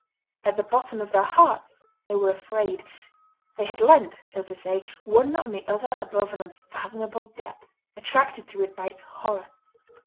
At the bottom of their hearts they were afraid. They had leant, so to say, one on the other above an unfathomable depth, attracted to it by its horror.